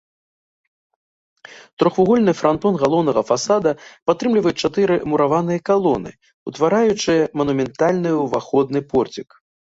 Трохвугольны франтон галоўнага фасада падтрымліваюць чатыры мураваныя калоны, утвараючыя манументальны ўваходны порцік.